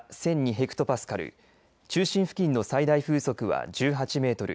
ヘクトパスカル中心付近の最大風速は１８メートル